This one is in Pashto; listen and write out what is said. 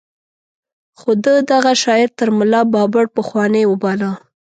خو ده دغه شاعر تر ملا بابړ پخوانۍ وباله.